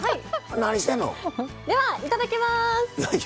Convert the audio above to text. では、いただきます！